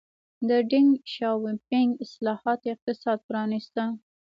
د ډینګ شیاوپینګ اصلاحاتو اقتصاد پرانیسته.